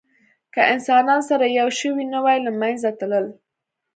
که انسانان سره یو شوي نه وی، له منځه تلل.